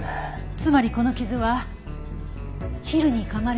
つまりこの傷はヒルに噛まれた痕だったんです。